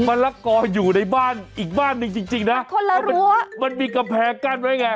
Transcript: มะละกออยู่ในบ้านอีกบ้านนึงจริงนะคนละรั้วมันมีกระแพกั้นไหมไง